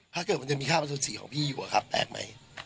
ถ้าเกิดมันจะมีคราบอสุจิของพี่อยู่อะครับแปลกไหม